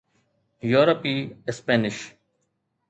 يورپي اسپينش